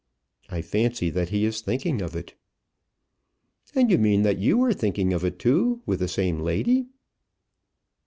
"I fancy that he is thinking of it." "And you mean that you were thinking of it, too, with the same lady."